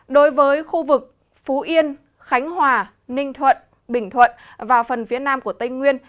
đối với khu vực phú yên khánh hòa ninh thuận bình thuận và phần phía nam của tây nguyên